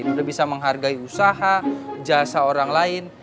sudah bisa menghargai usaha jasa orang lain